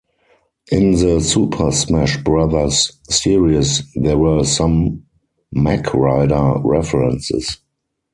In the "Super Smash Brothers series" there were some Mach Rider references.